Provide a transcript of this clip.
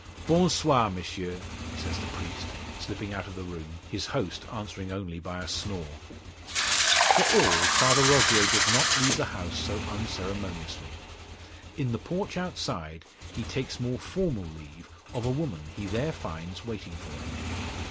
"Bon soir, Monsieur!" says the priest, slipping out of the room, his host answering only by a snore. For all, Father Rogier does not leave the house so unceremoniously. In the porch outside he takes more formal leave of a woman he there finds waiting for him.